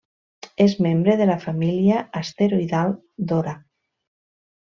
És membre de la família asteroidal Dora.